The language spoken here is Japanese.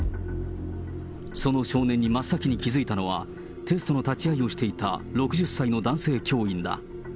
その少年に真っ先に気付いたのは、テストの立ち会いをしていた６０歳の男性教員だ。